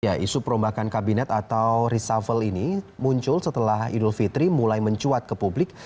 ya isu perombakan kabinet atau reshuffle ini muncul setelah idul fitri mulai mencuat ke publik